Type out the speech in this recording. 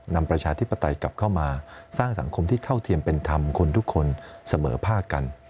ประชาธิปไตยกลับเข้ามาสร้างสังคมที่เท่าเทียมเป็นธรรมคนทุกคนเสมอภาคกัน